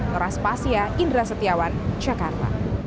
noras pasya indra setiawan jakarta